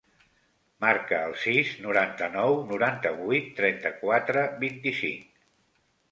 Marca el sis, noranta-nou, noranta-vuit, trenta-quatre, vint-i-cinc.